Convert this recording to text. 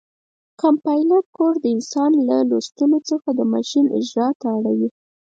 کمپایلر کوډ د انسان له لوستلو څخه د ماشین اجرا ته اړوي.